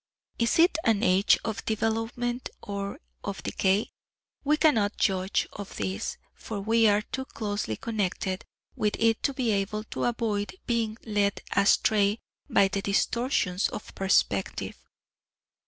Is it an age of development{P} or of decay? We cannot judge of this; for we are too closely connected with it to be able to avoid being led astray by the distortions of perspective.